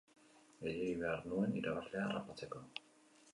Gehiegi behar nuen irabazlea harrapatzeko.